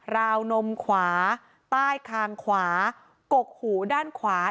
วนมขวาใต้คางขวากกหูด้านขวา